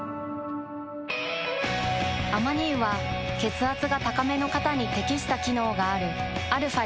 アマニ油は血圧が高めの方に適した機能があるαー